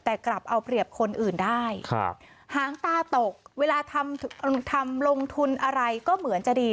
แต่กลับเอาเปรียบคนอื่นได้หางตาตกเวลาทำลงทุนอะไรก็เหมือนจะดี